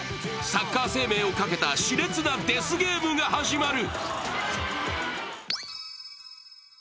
サッカー生命をかけたしれつなデスゲームが始まる。